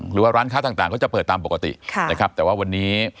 หรือว่าร้านค้าต่างก็จะเปิดตามปกตินะครับแต่ว่าวันนี้